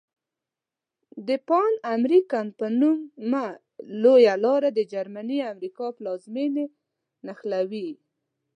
د پان امریکن په نامه لویه لار د جنوبي امریکا پلازمیني نښلولي.